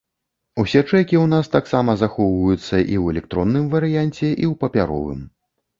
Усе чэкі ў нас таксама захоўваюцца і ў электронным варыянце, і ў папяровым.